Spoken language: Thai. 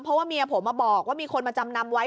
เพราะว่าเมียผมมาบอกว่ามีคนมาจำนำไว้